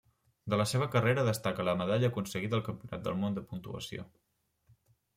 De la seva carrera destaca la medalla aconseguida al Campionat del món de puntuació.